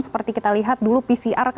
seperti kita lihat dulu pcr